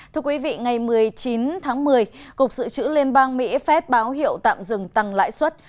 thưa quý vị ngày một mươi chín tháng một mươi cục sự chữ lên bang mỹ phép báo hiệu tạm dừng tăng lãi suất